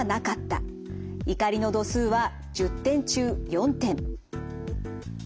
怒りの度数は１０点中４点。